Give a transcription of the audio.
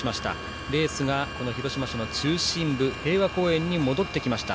レースが広島市の中心部平和公園に戻ってきました。